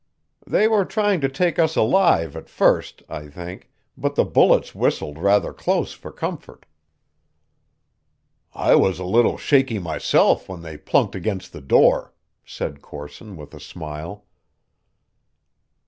"They were trying to take us alive at first, I think, but the bullets whistled rather close for comfort." "I was a little shaky myself, when they plunked against the door," said Corson with a smile.